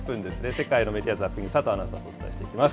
世界のメディア・ザッピング、佐藤アナウンサーとお伝えしていきます。